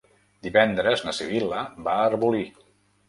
Divendres na Sibil·la va a Arbolí.